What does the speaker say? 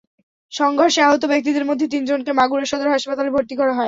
সংঘর্ষে আহত ব্যক্তিদের মধ্যে তিনজনকে মাগুরা সদর হাসপাতালে ভর্তি করা হয়।